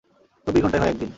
চব্বিশ ঘন্টায় হয় একদিন।